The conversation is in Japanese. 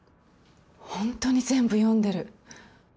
ホントに全部読んでる。